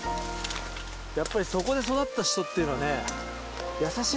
やっぱりそこで育った人っていうのはね